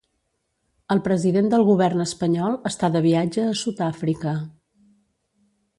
El president del govern espanyol està de viatge a Sud-àfrica.